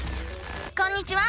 こんにちは！